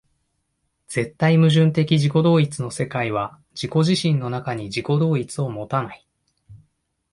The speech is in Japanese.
絶対矛盾的自己同一の世界は自己自身の中に自己同一を有たない。